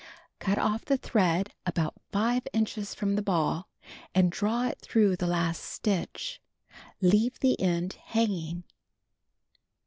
Cut off the thread about 5 inches from the ball, and draw it through the last stitch. Xeave the end hanging.